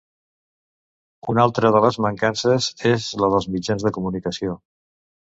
Una altra de les mancances és la dels mitjans de comunicació.